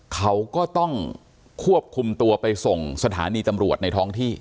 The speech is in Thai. เขาก็ต้องควบคุมตัวไปส่งสถานีตำรวจในท้องที่